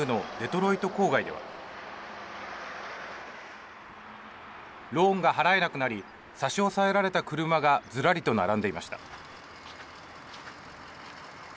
ローンが払えなくなり差し押さえられた車がずらりと並んでいました。